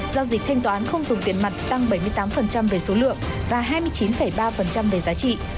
giao dịch thanh toán không dùng tiền mặt tăng bảy mươi tám về số lượng và hai mươi chín ba về giá trị